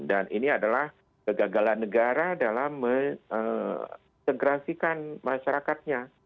dan ini adalah kegagalan negara dalam mengegrasikan masyarakatnya